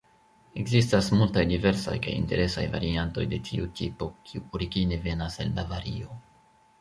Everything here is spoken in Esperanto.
Ekzistas multaj diversaj kaj interesaj variantoj de tiu tipo, kiu origine venas el Bavario.